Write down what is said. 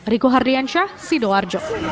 riku hardiansyah sido arjo